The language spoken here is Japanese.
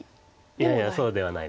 いやいやそうではないです。